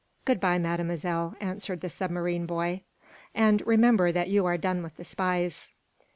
"Good bye, Mademoiselle," answered the submarine boy. "And remember that you are done with the spies."